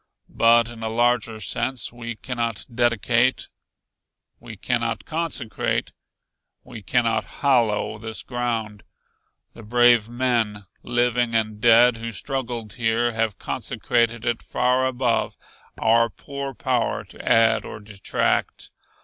"But in a larger sense, we cannot dedicate we cannot consecrate we cannot hallow this ground. The brave men, living and dead, who struggled here have consecrated it far above our poor power to add or detract.